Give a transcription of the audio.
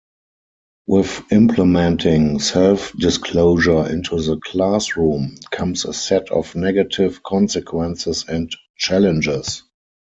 With implementing self-disclosure into the classroom, comes a set of negative consequences and challenges.